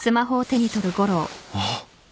あっ。